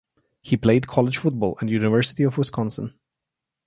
He played college football at University of Wisconsin.